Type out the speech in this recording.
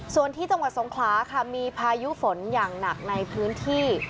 ส่วนที่จังหวัดสงขลาค่ะมีพายุฝนอย่างหนักในพื้นที่